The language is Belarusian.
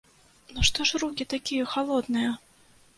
Ну што ж рукі такія халодныя?!